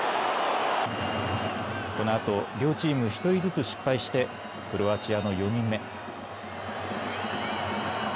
このあと両チーム１人ずつ失敗して、クロアチアの４人目。